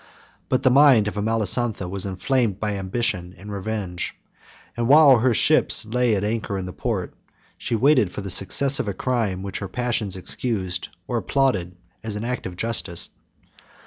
But the mind of Amalasontha was inflamed by ambition and revenge; and while her ships lay at anchor in the port, she waited for the success of a crime which her passions excused or applauded as an act of justice.